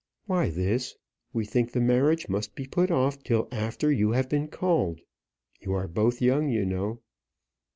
"Why this; we think the marriage must be put off till after you have been called. You are both young, you know."